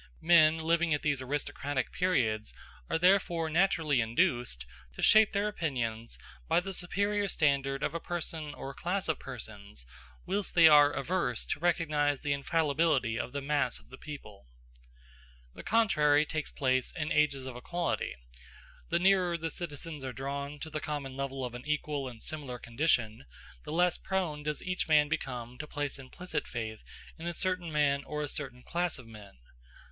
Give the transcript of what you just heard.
Men living at these aristocratic periods are therefore naturally induced to shape their opinions by the superior standard of a person or a class of persons, whilst they are averse to recognize the infallibility of the mass of the people. The contrary takes place in ages of equality. The nearer the citizens are drawn to the common level of an equal and similar condition, the less prone does each man become to place implicit faith in a certain man or a certain class of men.